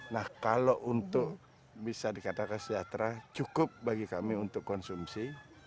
nah kalau untuk bisa dikatakan sejahtera cukup bagi kami untuk konsumsi